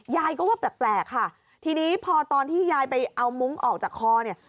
ยายก็ว่าแปลกค่ะทีนี้พอตอนที่ยายไปเอามุ้งออกจากคอเนี่ย